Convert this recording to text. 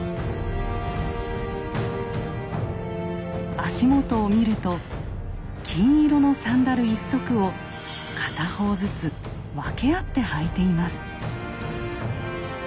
足元を見ると金色のサンダル一足を片方ずつ分け合って履いています。